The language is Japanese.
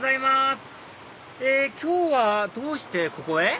今日はどうしてここへ？